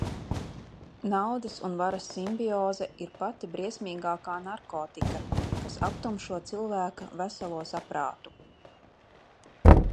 Naudas un varas simbioze ir pati briesmīgākā narkotika, kas aptumšo cilvēka veselo saprātu.